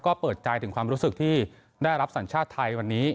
ก็เปิดใจถึงความรู้สึกที่ได้รับสัญชาติไทยวันนี้